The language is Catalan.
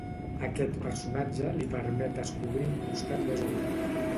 Aquest personatge li permet descobrir un costat més humà.